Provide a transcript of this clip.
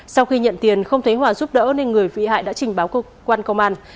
sau khi nhận tiền không thấy hòa giúp đỡ nên người bị hại đã trình báo cơ quan công an